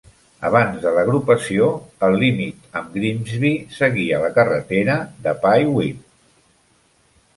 Abans de l'agrupació, el límit amb Grimsby seguia la carretera de Pyewipe.